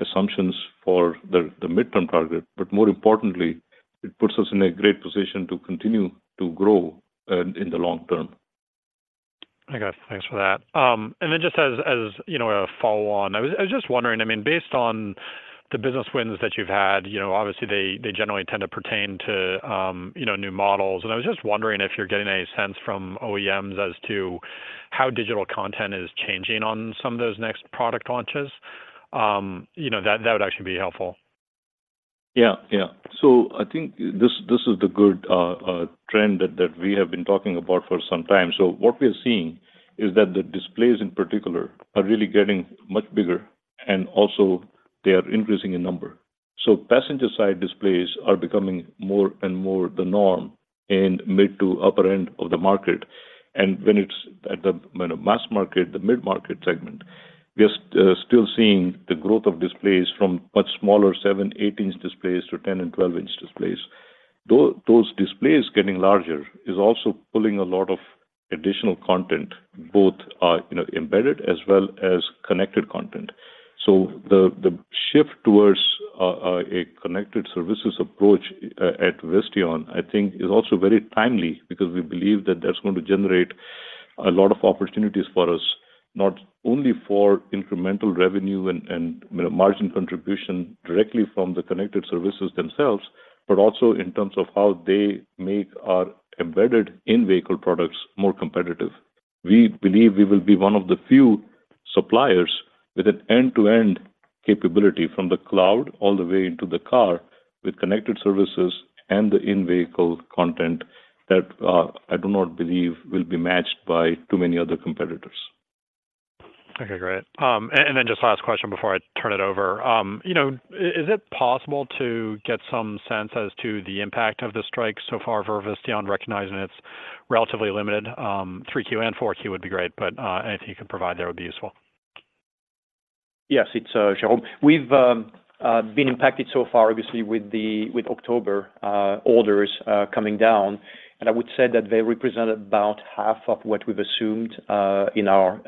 assumptions for the midterm target. But more importantly, it puts us in a great position to continue to grow in the long term. Okay, thanks for that. And then just as you know, a follow-on, I was just wondering, I mean, based on the business wins that you've had, you know, obviously, they generally tend to pertain to, you know, new models. And I was just wondering if you're getting a sense from OEMs as to how digital content is changing on some of those next product launches. You know, that would actually be helpful. Yeah, yeah. So I think this is the good trend that we have been talking about for some time. So what we are seeing is that the displays, in particular, are really getting much bigger, and also they are increasing in number. So passenger side displays are becoming more and more the norm in mid to upper end of the market. And when it's at the, you know, mass market, the mid-market segment, we are still seeing the growth of displays from much smaller 7, 8-inch displays to 10- and 12-inch displays. Though those displays getting larger is also pulling a lot of additional content, both, you know, embedded as well as connected content.... So the shift towards a connected services approach at Visteon, I think is also very timely, because we believe that that's going to generate a lot of opportunities for us, not only for incremental revenue and, you know, margin contribution directly from the connected services themselves, but also in terms of how they make our embedded in-vehicle products more competitive. We believe we will be one of the few suppliers with an end-to-end capability from the cloud all the way into the car, with connected services and the in-vehicle content that I do not believe will be matched by too many other competitors. Okay, great. And then just last question before I turn it over. You know, is it possible to get some sense as to the impact of the strike so far for Visteon, recognizing it's relatively limited? Three Q and four Q would be great, but anything you can provide there would be useful. Yes, it's Jerome. We've been impacted so far, obviously, with October orders coming down, and I would say that they represent about half of what we've assumed in our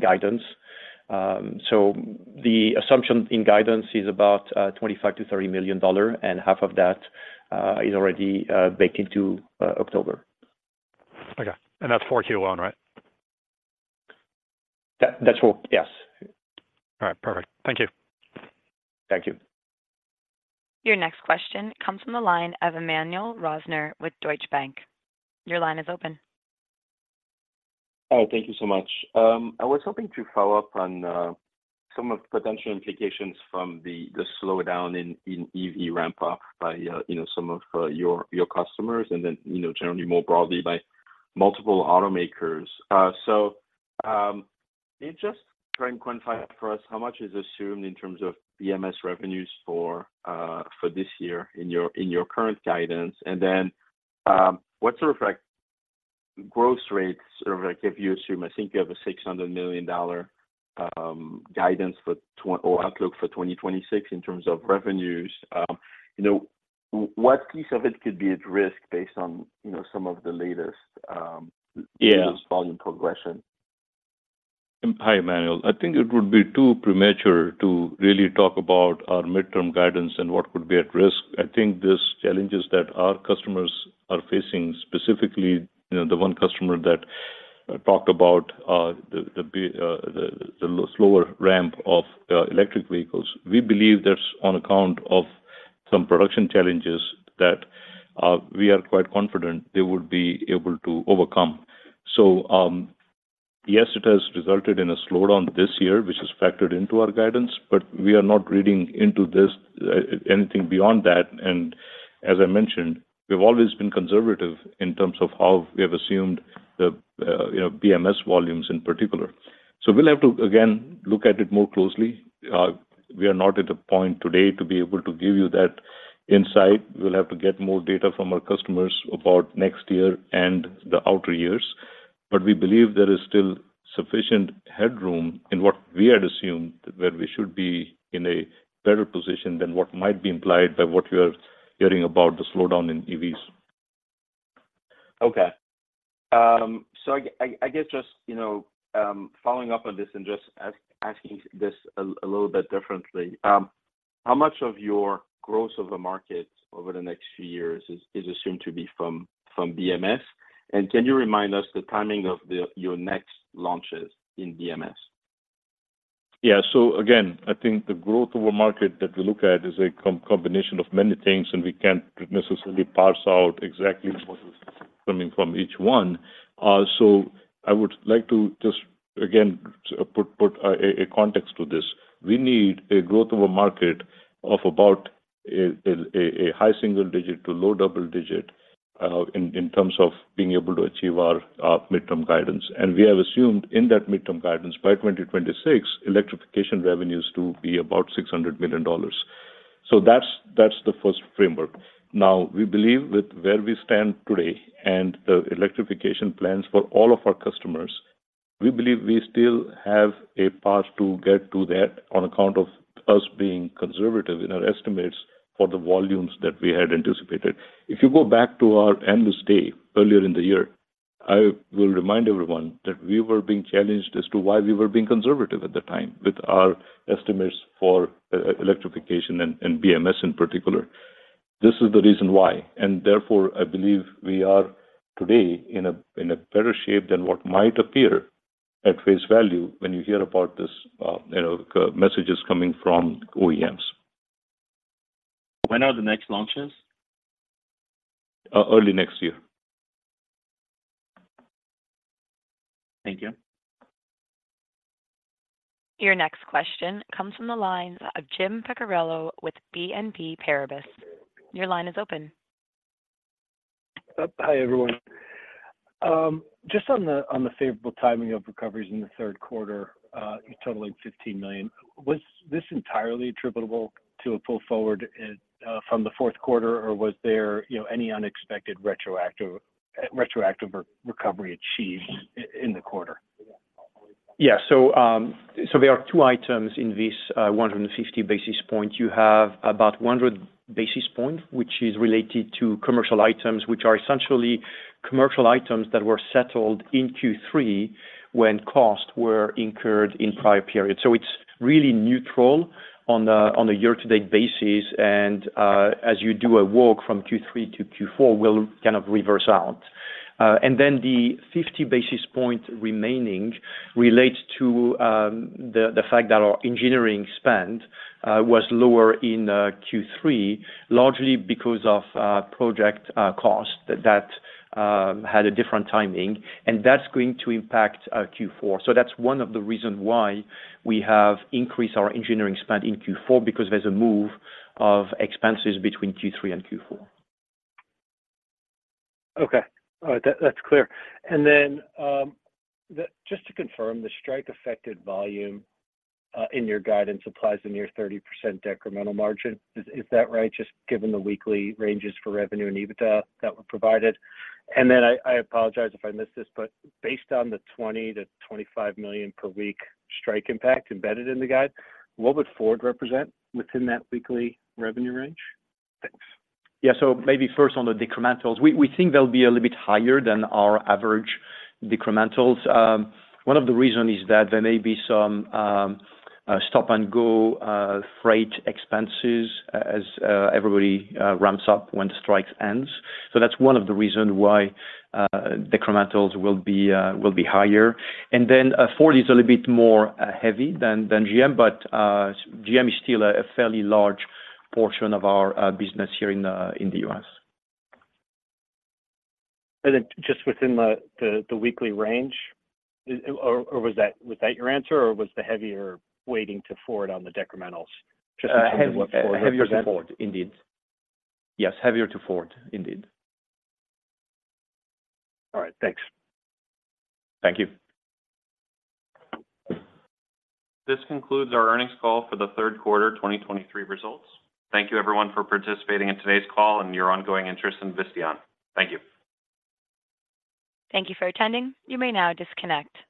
guidance. So the assumption in guidance is about $25 million-$30 million, and half of that is already baked into October. Okay. That's 4Q alone, right? That's four. Yes. All right. Perfect. Thank you. Thank you. Your next question comes from the line of Emmanuel Rosner with Deutsche Bank. Your line is open. Hi, thank you so much. I was hoping to follow up on some of the potential implications from the slowdown in EV ramp up by, you know, some of your customers, and then, you know, generally more broadly by multiple automakers. So, can you just try and quantify for us how much is assumed in terms of BMS revenues for this year in your current guidance? And then, what sort of, like, growth rates or, like, if you assume, I think you have a $600 million guidance for twenty- or outlook for 2026 in terms of revenues. You know, what piece of it could be at risk based on, you know, some of the latest? Yeah -volume progression? Hi, Emmanuel. I think it would be too premature to really talk about our midterm guidance and what could be at risk. I think these challenges that our customers are facing, specifically, you know, the one customer that talked about the slower ramp of electric vehicles. We believe that's on account of some production challenges that we are quite confident they would be able to overcome. So, yes, it has resulted in a slowdown this year, which is factored into our guidance, but we are not reading into this anything beyond that. And as I mentioned, we've always been conservative in terms of how we have assumed the, you know, BMS volumes in particular. So we'll have to, again, look at it more closely. We are not at a point today to be able to give you that insight. We'll have to get more data from our customers about next year and the outer years, but we believe there is still sufficient headroom in what we had assumed, where we should be in a better position than what might be implied by what you are hearing about the slowdown in EVs. Okay. So I guess just, you know, following up on this and just asking this a little bit differently. How much of your growth of the market over the next few years is assumed to be from BMS? And can you remind us the timing of your next launches in BMS? Yeah. So again, I think the growth of a market that we look at is a combination of many things, and we can't necessarily parse out exactly what is coming from each one. So I would like to just, again, put a context to this. We need a growth of a market of about a high single-digit to low double-digit, in terms of being able to achieve our midterm guidance. And we have assumed in that midterm guidance, by 2026, electrification revenues to be about $600 million. So that's the first framework. Now, we believe with where we stand today and the electrification plans for all of our customers, we believe we still have a path to get to that on account of us being conservative in our estimates for the volumes that we had anticipated. If you go back to our analyst day earlier in the year, I will remind everyone that we were being challenged as to why we were being conservative at the time with our estimates for electrification and BMS in particular. This is the reason why, and therefore, I believe we are today in a better shape than what might appear at face value when you hear about this, you know, messages coming from OEMs. When are the next launches? Early next year. Thank you. Your next question comes from the lines of Jim Picariello with BNP Paribas. Your line is open. Hi, everyone. Just on the favorable timing of recoveries in the third quarter, totaling $15 million, was this entirely attributable to a pull forward from the fourth quarter, or was there, you know, any unexpected retroactive, retroactive re-recovery achieved in the quarter? Yeah. So, so there are two items in this 150 basis points. You have about 100 basis points, which is related to commercial items, which are essentially commercial items that were settled in Q3 when costs were incurred in prior periods. So it's really neutral on a year-to-date basis, and as you do a walk from Q3 to Q4, will kind of reverse out. And then the 50 basis point remaining relates to the fact that our engineering spend was lower in Q3, largely because of project costs that had a different timing, and that's going to impact Q4. So that's one of the reasons why we have increased our engineering spend in Q4, because there's a move of expenses between Q3 and Q4. Okay. That's clear. And then, just to confirm, the strike-affected volume in your guidance applies in your 30% decremental margin. Is that right? Just given the weekly ranges for revenue and EBITDA that were provided. And then I apologize if I missed this, but based on the $20 million-$25 million per week strike impact embedded in the guide, what would Ford represent within that weekly revenue range? Thanks. Yeah. So maybe first on the decrementals. We think they'll be a little bit higher than our average decrementals. One of the reasons is that there may be some stop-and-go freight expenses as everybody ramps up when the strike ends. So that's one of the reasons why decrementals will be higher. And then, Ford is a little bit more heavy than GM, but GM is still a fairly large portion of our business here in the U.S. And then just within the weekly range, is or was that your answer, or was the heavier weighting to Ford on the decrementals just- Heavier, heavier to Ford, indeed. Yes, heavier to Ford, indeed. All right, thanks. Thank you. This concludes our earnings call for the third quarter 2023 results. Thank you, everyone, for participating in today's call and your ongoing interest in Visteon. Thank you. Thank you for attending. You may now disconnect.